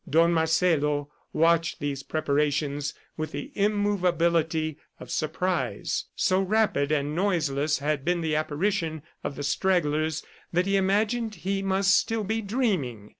Don Marcelo watched these preparations with the immovability of surprise. So rapid and noiseless had been the apparition of the stragglers that he imagined he must still be dreaming.